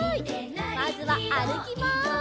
まずはあるきます。